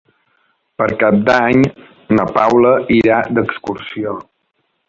Per Cap d'Any na Paula irà d'excursió.